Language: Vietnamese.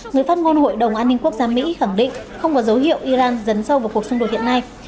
người phát ngôn hội đồng an ninh quốc gia mỹ khẳng định không có dấu hiệu iran dấn sâu vào cuộc xung đột hiện nay